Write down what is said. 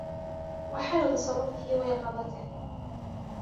وَحَالُ تَصَرُّفِهِ وَيَقِظَتِهِ